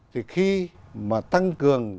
thì khi mà tăng cường